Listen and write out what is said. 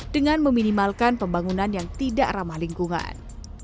dengan meminimalkan pembangunan yang tidak ramah lingkungan